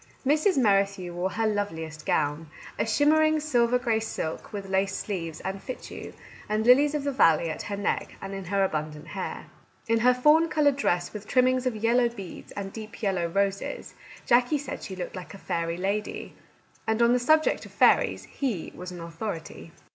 Mrs. Merrithew wore her loveliest gown, a shimmering silver gray silk with lace sleeves and fichu, and lilies of the valley at her neck and in her abundant hair. As for Katherine, in her fawn coloured dress with trimmings of yellow beads, and deep yellow roses, Jackie said she looked like a fairy lady, — and on the subject of fairies he was an authority.